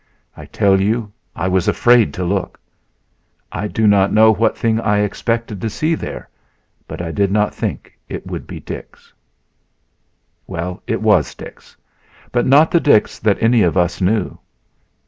I tell you I was afraid to look! I do not know what thing I expected to see there, but I did not think it would be Dix. Well, it was Dix; but not the Dix that any of us knew.